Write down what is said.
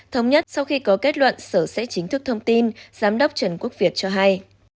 thống nhất sau khi có kết luận sở sẽ chính thức thông tin giám đốc trần quốc việt cho hay